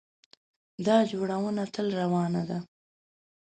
دا جوړونه تل روانه ده.